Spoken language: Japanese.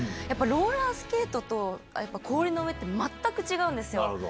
やっぱりローラースケートと、氷の上って、全く違うんですよ。